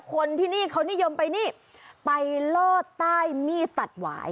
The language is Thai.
คนที่นี่เขานิยมไปนี่ไปลอดใต้มีดตัดหวาย